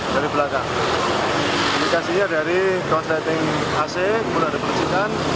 dari belakang ini kasihnya dari konditing ac mulai dipercikan